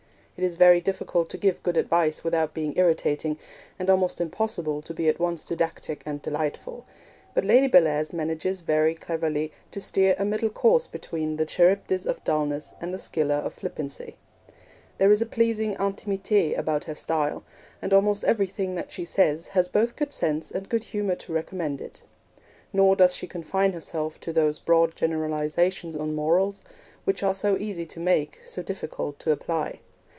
It is very difficult to give good advice without being irritating, and almost impossible to be at once didactic and delightful; but Lady Bellairs manages very cleverly to steer a middle course between the Charybdis of dulness and the Scylla of flippancy. There is a pleasing intimite about her style, and almost everything that she says has both good sense and good humour to recommend it. Nor does she confine herself to those broad generalisations on morals, which are so easy to make, so difficult to apply.